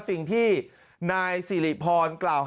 สิ่งที่นายศิริพร